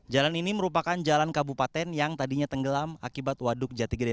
jalan ini merupakan jalan kabupaten yang tadinya tenggelam akibat waduk jati gede